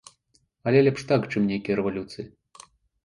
Але лепш так, чым нейкія рэвалюцыі.